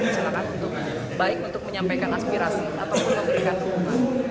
silakan untuk baik untuk menyampaikan aspirasi ataupun memberikan dukungan